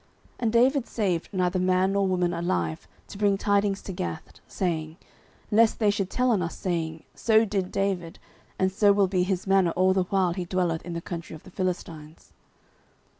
09:027:011 And David saved neither man nor woman alive, to bring tidings to Gath, saying, Lest they should tell on us, saying, So did David, and so will be his manner all the while he dwelleth in the country of the Philistines.